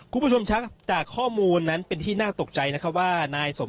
กูผู้ชมชักจากข้อมูลนั้นเป็นที่น่าตกใจนะคะว่า